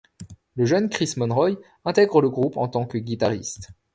Le jeune Chris Monroy intègre le groupe en tant que guitariste.